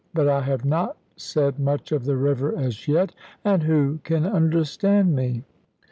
But I have not said much of the river as yet; and who can understand me?